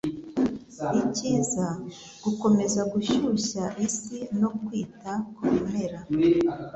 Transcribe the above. ikiza gukomeza gushyushya isi no kwita ku bimera?